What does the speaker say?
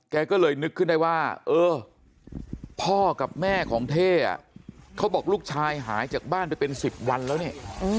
แกก็เลยนึกขึ้นได้ว่าเออพ่อกับแม่ของเท่เขาบอกลูกชายหายจากบ้านไปเป็น๑๐วันแล้วเนี่ย